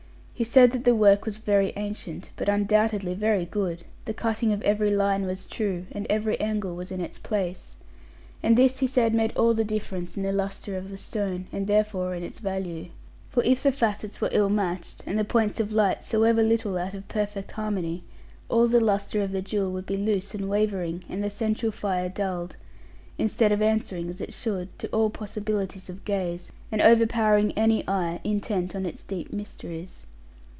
He said that the work was very ancient, but undoubtedly very good; the cutting of every line was true, and every angle was in its place. And this he said, made all the difference in the lustre of the stone, and therefore in its value. For if the facets were ill matched, and the points of light so ever little out of perfect harmony, all the lustre of the jewel would be loose and wavering, and the central fire dulled; instead of answering, as it should, to all possibilities of gaze, and overpowering any eye intent on its deeper mysteries.